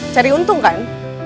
cari untung kan